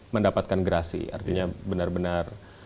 mendapatkan gerasi artinya benar benar